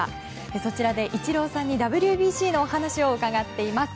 そちらで、イチローさんにＷＢＣのお話を伺っています。